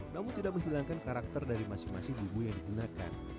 namun tidak menghilangkan karakter dari masing masing bumbu yang digunakan